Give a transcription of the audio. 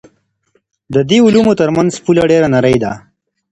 د دې علومو ترمنځ پوله ډېره نرۍ ده.